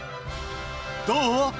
どう？